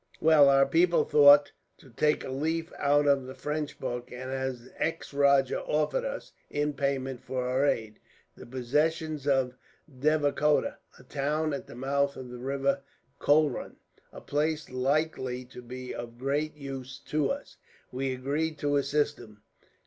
"Well, our people thought to take a leaf out of the French book, and as the ex rajah offered us, in payment for our aid, the possession of Devikota, a town at the mouth of the river Kolrun, a place likely to be of great use to us, we agreed to assist him.